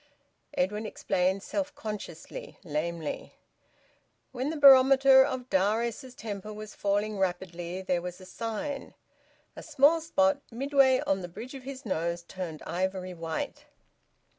Edwin explained, self consciously, lamely. When the barometer of Darius's temper was falling rapidly, there was a sign: a small spot midway on the bridge of his nose turned ivory white.